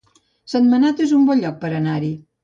Sentmenat es un bon lloc per anar-hi